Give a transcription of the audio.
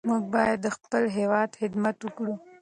موږ باید د خپل هېواد خدمت وکړو.